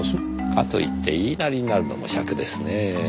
かといって言いなりになるのもシャクですねぇ。